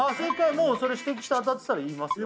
もうそれ指摘して当たってたら言いますよ